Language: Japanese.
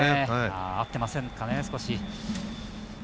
合ってませんかね。